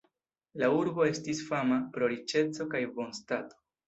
La urbo estis fama pro riĉeco kaj bonstato.